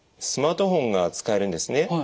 スマートフォンが使えるんですね。